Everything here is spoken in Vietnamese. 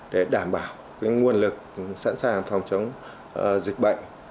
để đảm bảo nguồn lực sẵn sàng phòng chống dịch bệnh